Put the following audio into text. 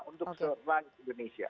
untuk seluruh indonesia